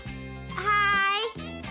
はい。